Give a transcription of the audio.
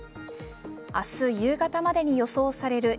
明日夕方までに予想される